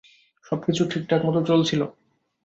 সবকিছু ঠিকঠাক মতো চলছিল!